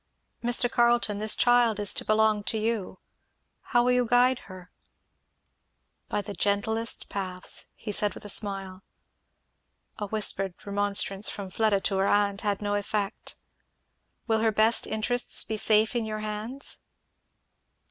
"Mr. Carleton, this child is to belong to you how will you guide her?" "By the gentlest paths," he said with a smile. A whispered remonstrance from Fleda to her aunt had no effect. "Will her best interests be safe in your hands?"